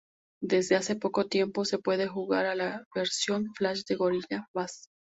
Desde hace poco tiempo se puede jugar a la versión Flash de Gorilla.bas.